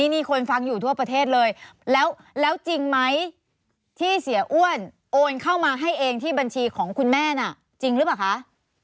นี่คนฟังอยู่ทั่วประเทศเลยแล้วจริงไหมที่เสียอ้วนโอนเข้ามาให้เองที่บัญชีของคุณแม่น่ะจริงหรือเปล่าคะ